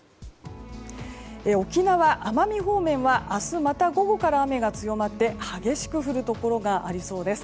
沖縄、奄美方面は明日午後から雨が強まって激しく降るところがありそうです。